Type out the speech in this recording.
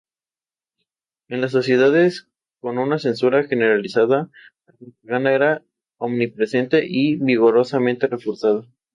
En este tiempo fue cuando el castillo fue abandonado y empezó a deteriorarse.